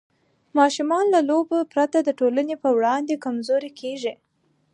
ماشومان له لوبو پرته د ټولنې په وړاندې کمزوري کېږي.